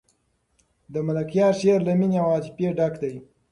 د ملکیار شعر له مینې او عاطفې ډک دی.